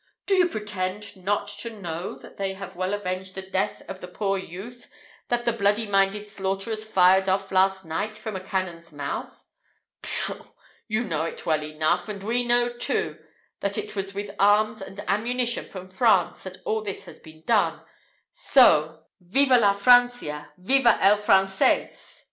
Do you pretend not to know that they have well avenged the death of the poor youth that the bloody minded slaughterers fired off last night from a cannon's mouth? Pshaw! you know it well enough; and we know too, that it is with arms and ammunition from France, that all this has been done: so, '_Viva la Francia! Viva el Francés!